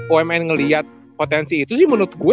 umn ngeliat potensi itu sih menurut gue